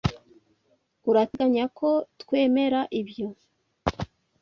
Urateganya ko twemera ibyo?